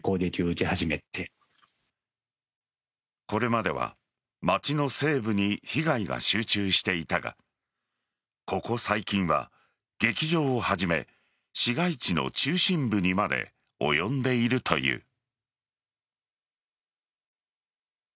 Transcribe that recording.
これまでは街の西部に被害が集中していたがここ最近は劇場をはじめ市街地の中心部にまで及んでいるという。